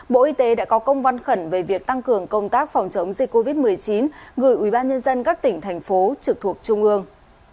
bộ y tế đã có công văn khẩn về việc tăng cường công tác phòng chống dịch covid một mươi chín gửi ubnd các tỉnh thành phố trực thuộc trung ương